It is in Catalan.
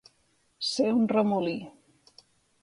Ser un remolí.